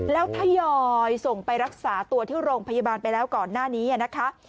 แล้วทยอยส่งไปรักษาตัวที่โรงพยาบาลไปแล้วก่อนหน้านี้นะคะ